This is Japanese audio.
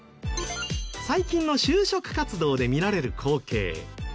最近の就職活動で見られる光景。